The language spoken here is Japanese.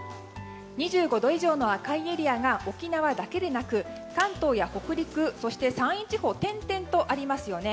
２５度以上の赤いエリアが沖縄だけでなく関東や北陸、そして山陰地方と点々とありますよね。